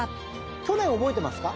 去年覚えてますか？